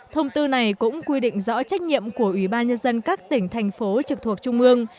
thông tư này cũng quy định rõ trách nhiệm của ủy ban nhân dân các tỉnh thành phố trực thuộc trung ương